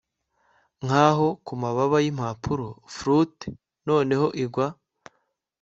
nkaho kumababa yimpapuro, flutter noneho igwa